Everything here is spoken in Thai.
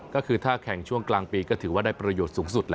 ก็คือถ้าแข่งช่วงกลางปีก็ถือว่าได้ประโยชน์สูงสุด